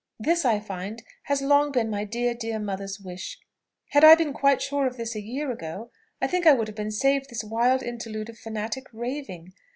This, I find, has long been my dear, dear mother's wish. Had I been quite sure of this a year ago, I think I should have been saved this wild interlude of fanatic raving.